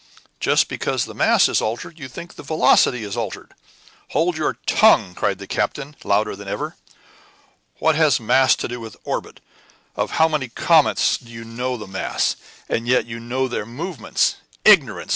"Just because the mass is altered you think the velocity is altered?" "Hold your tongue!" cried the captain, louder than ever. "What has mass to do with the orbit? Of how many comets do you know the mass, and yet you know their movements? Ignorance!"